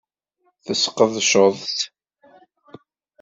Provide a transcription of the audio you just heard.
Tesqedceḍ-tt?